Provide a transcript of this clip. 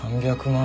３００万？